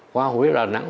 qua huế lào nẵng